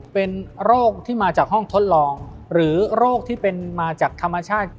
เป็นโรคที่มาจากห้องทดลองหรือโรคที่เป็นมาจากธรรมชาติ